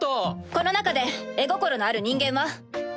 この中で絵心のある人間は？